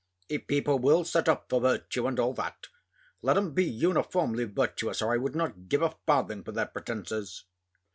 If people will set up for virtue, and all that, let 'em be uniformly virtuous, or I would not give a farthing for their pretences.